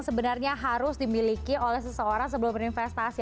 sebenarnya harus dimiliki oleh seseorang sebelum berinvestasi